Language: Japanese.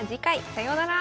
さようなら。